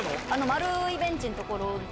丸いベンチの所で。